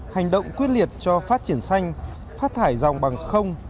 hành động quyết liệt cho phát triển xanh phát thải dòng bằng không